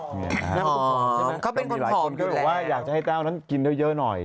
อ๋อเค้าเป็นคนหอมอยู่แล้วอ๋อมีหลายคนเขาบอกว่าอยากให้เต้านั้นกินให้เยอะหน่อย